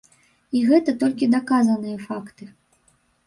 І гэта толькі даказаныя факты.